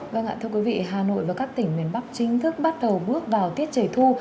vâng ạ thưa quý vị hà nội và các tỉnh miền bắc chính thức bắt đầu bước vào tiết trời thu